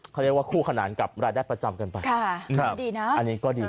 เขาเรียกว่าคู่ขนานกับรายได้ประจำกันไปดีนะอันนี้ก็ดี